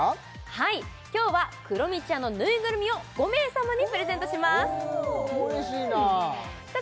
はい今日はクロミちゃんのぬいぐるみを５名様にプレゼントします嬉しいなあ